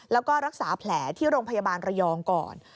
แล้วก็รักษาแผลที่โรงพยาบาลระยองก่อน